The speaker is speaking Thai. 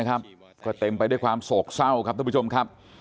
ก็เต็มไปด้วยความโศกเศร้าครับท่านผู้ชมครับ